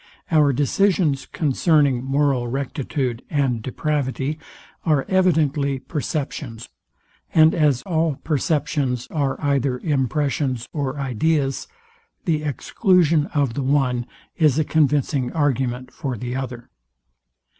Our decisions concerning moral rectitude and depravity are evidently perceptions; and as all perceptions are either impressions or ideas, the exclusion of the one is a convincing argument for the other.